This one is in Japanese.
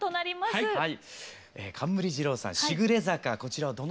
はい。